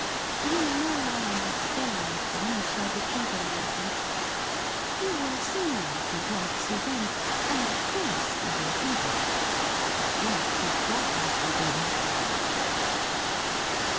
You know I am staying with them, and shall be travelling with them. You CLELIA VINE 61 will see me if you come to see them, and of course you will do that.' ' Yes, of course I shall do that.'